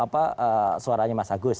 apa suaranya mas agus